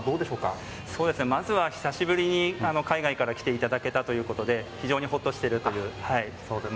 まずは久しぶりに海外から来ていただけたということで非常にほっとしているという。